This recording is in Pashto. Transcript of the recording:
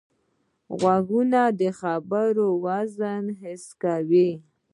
غوږونه د خبرو وزن حس کوي